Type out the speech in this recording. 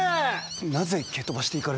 なぜ蹴飛ばしていかれたんじゃ。